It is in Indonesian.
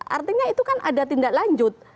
artinya itu kan ada tindaklanjut